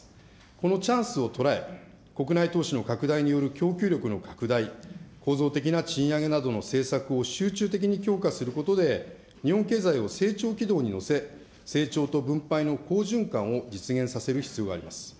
このチャンスを捉え、国内投資の拡大による供給力の拡大、構造的な賃上げなどの政策を集中的に強化することで、日本経済を成長軌道に乗せ、成長と分配の好循環を実現させる必要があります。